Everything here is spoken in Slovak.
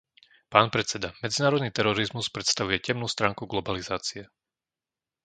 Pán predseda, medzinárodný terorizmus predstavuje temnú stránku globalizácie.